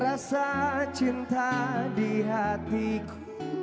rasa cinta di hatiku